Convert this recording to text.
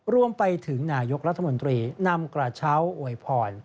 รวมไปถึงนายกรัฐมนตรีนำกระเช้าอวยพร